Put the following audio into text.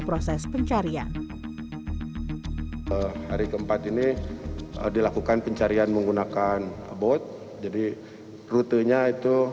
proses pencarian hari keempat ini dilakukan pencarian menggunakan bot jadi rutenya itu